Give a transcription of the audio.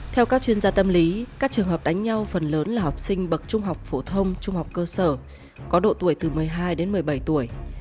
theo các chuyên gia tâm lý các trường hợp đánh nhau phần lớn là học sinh bậc trung học phổ thông trung học cơ sở có độ tuổi từ một mươi hai đến một mươi bảy tuổi